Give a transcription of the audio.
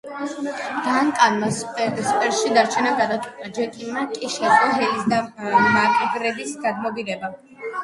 დანკანმა სპურსში დარჩენა გადაწყვიტა, მეჯიკმა კი შეძლო ჰილის და მაკგრედის გადმობირება.